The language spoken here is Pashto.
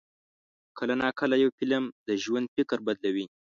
کله ناکله یو فلم د ژوند فکر بدلوي.